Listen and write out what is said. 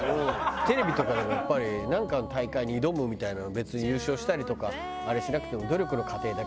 テレビとかでもやっぱりなんかの大会に挑むみたいなの別に優勝したりとかあれしなくても。